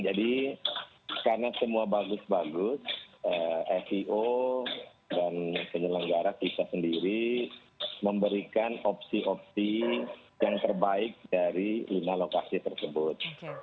jadi karena semua bagus bagus fio dan penyelenggara kita sendiri memberikan opsi opsi yang terbaik dari lima lokasi tersebut